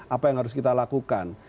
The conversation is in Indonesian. apa yang harus kita lakukan